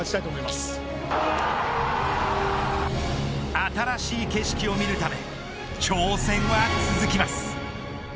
新しい景色を見るため挑戦は続きます。